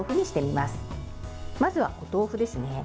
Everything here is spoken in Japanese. まずは、お豆腐ですね。